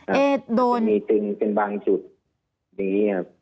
เหตุโดนมีตึงเป็นบางจุดอย่างนี้ครับ